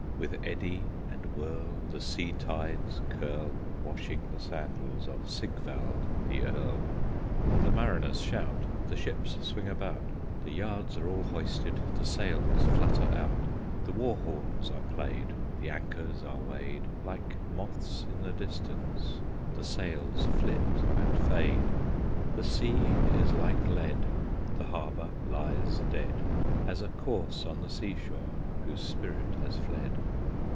With eddy and whirl The sea tides curl, Washing the sandals Of Sigvald the Earl. The mariners shout, The ships swing about, The yards are all hoisted, The sails flutter out. The war horns are played, The anchors are weighed, Like moths in the distance The sails flit and fade. The sea is like lead, The harbor lies dead, As a corse on the sea shore, Whose spirit has fled!